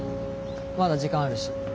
まだ時間あるし。